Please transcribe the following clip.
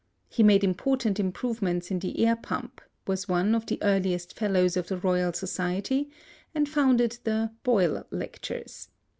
He made important improvements in the air pump, was one of the earliest Fellows of the Royal Society, and founded the "Boyle Lectures."